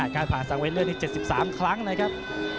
การผ่านสังเว้นเรื่องนี้๗๓ครั้งนะครับ